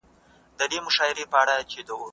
خو دا سوداګري هم د انګریزانو په ګټه وه.